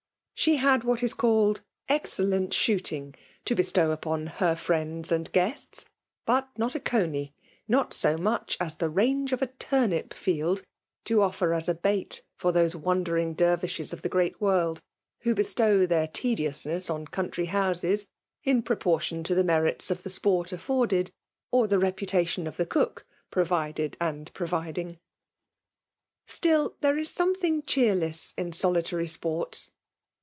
She had . what is called exceUeift shooting'* to bestow upon *her friends and gussts ; but not a coney, — ^not so much as the range of a tuxnip field« — to offer as a bait to those wandering dervises of the great world, «ho bestow . their tediousness on eefaattf houses, in proportion to the merits of the sport affoirdedy or the reputation of the cook pvo vided «iid providing. Still, there is something cheerless in soli tary sports.